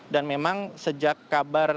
dan memang sejak kabar